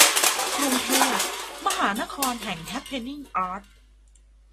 กรุงเทพ มหานครแห่งแฮปเพนนิ่งอาร์ต